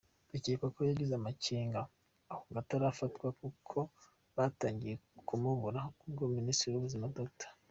Bikekwa ko yagize amakenga ahunga atarafatwa, kuko batangiye kumubura ubwo Minisitiri w’Ubuzima Dr.